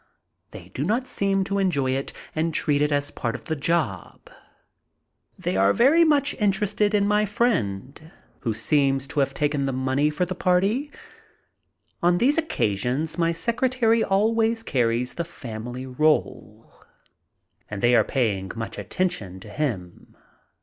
They do not seem to enjoy it and treat it as part of the job. They are very much interested in my friend, who seems to have the money for the party. On these occasions my secretary always carries the family roll, and they are paying much attention to him.